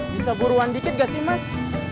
bisa buruan dikit gak sih mas